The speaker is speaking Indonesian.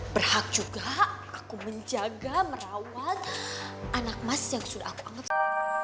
berhak juga aku menjaga merawat anak emas yang sudah aku anggap